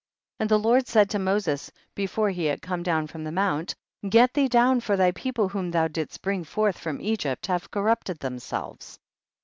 15. And the Lord said to Moses, before he had come down from the mount, get thee down for thy people whom thou didst bring forth from Egypt have corrupted themselves.